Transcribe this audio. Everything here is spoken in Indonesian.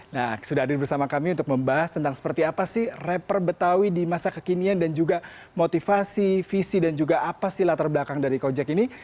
nah sudah ada bersama kami untuk membahas tentang seperti apa sih rapper betawi di masa kekinian dan juga motivasi visi dan juga apa sih latar belakang dari kojek ini